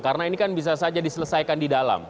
karena ini kan bisa saja diselesaikan di dalam